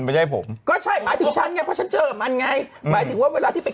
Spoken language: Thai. ไม่ใช่ผมก็ใช่หมายถึงฉันไงเพราะฉันเจอมันไงหมายถึงว่าเวลาที่ไป